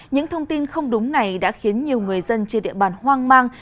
những thông tin không đúng này đã khiến nhiều người dân trên địa bàn hoang mang